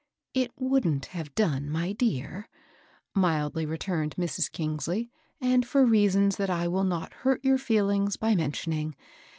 " It wouldn't have done, my dear," mildly re turned Mrs. Kingsley, '* and for reasons that I will not hurt your feelings by mentioning.